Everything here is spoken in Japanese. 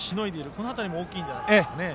この辺りも大きいんじゃないんでしょうか。